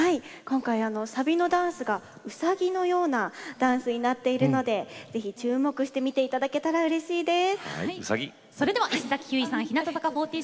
サビのダンスがうさぎのようなダンスになっているのでぜひ注目して見ていただけたらうれしいです。